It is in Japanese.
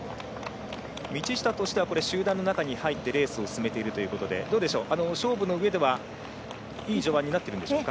道下としては、集団の中に入ってレースをしているということで勝負の上ではいい序盤になっているでしょうか。